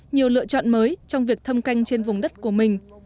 nhiều lựa chọn mới trong việc thâm canh trên vùng đất của mình